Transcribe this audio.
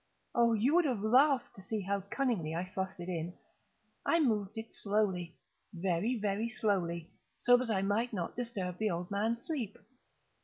Oh, you would have laughed to see how cunningly I thrust it in! I moved it slowly—very, very slowly, so that I might not disturb the old man's sleep.